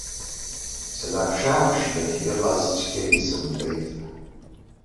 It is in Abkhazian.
Снаԥш-ааԥшны, иҟаз цқьа исымбеит.